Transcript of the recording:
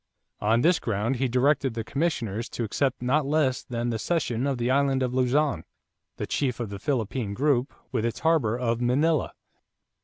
On this ground he directed the commissioners to accept not less than the cession of the island of Luzon, the chief of the Philippine group, with its harbor of Manila.